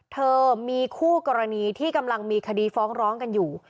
เธอมีคู่กรณีที่กำลังมีคดีฟ้องร้องกันอยู่